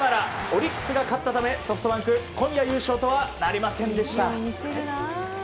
オリックスが勝ったためソフトバンク今夜、優勝とはなりませんでした。